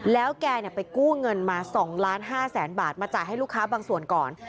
แล้วแกไปกู้เงินมา๒๕๐๐๐๐บาทมาจ่ายให้ลูกค้าบางส่วนก่อน